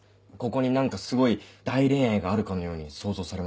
ここに何かすごい大恋愛があるかのように想像されますよ。